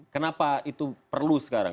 kenapa itu perlu sekarang